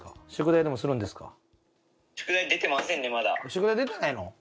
宿題出てないの？